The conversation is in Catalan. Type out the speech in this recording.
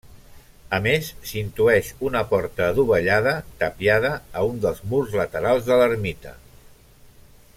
A més, s'intueix una porta adovellada, tapiada, a un dels murs laterals de l'ermita.